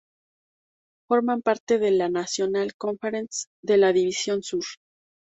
Forman parte de la "National Conference" de la división sur.